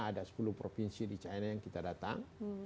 ada sepuluh provinsi di china yang kita datang